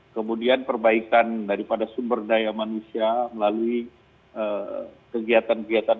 kemudian perbaikan daripada sumber daya manusia melalui kegiatan kegiatan